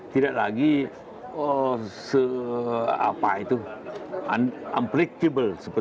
tidak lagi unpretable